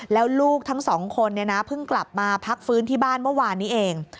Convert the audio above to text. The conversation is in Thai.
แล้วลูกทั้งสองคนเพิ่งกลับมาพักฟื้นที่บ้านเมื่อวานนี้เอง